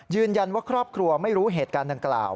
ยืนยันว่าครอบครัวไม่รู้เหตุการณ์ดังกล่าว